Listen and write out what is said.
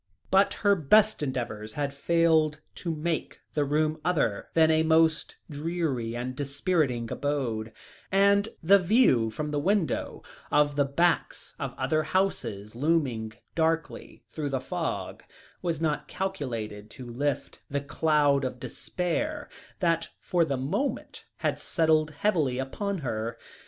But her best endeavours had failed to make the room other than a most dreary and dispiriting abode, and the view from the window, of the backs of other houses looming darkly through the fog, was not calculated to lift the cloud of despair that for the moment had settled heavily upon her.